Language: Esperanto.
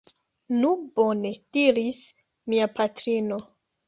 Nu bone, diris mia patrino.